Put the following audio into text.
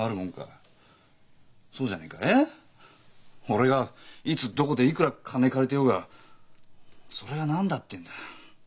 俺がいつどこでいくら金借りてようがそれが何だっていうんだ。